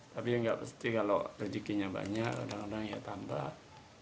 tapi yang nggak pasti kalau rezekinya banyak kadang kadang ya tambah